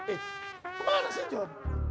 eh kemana sih john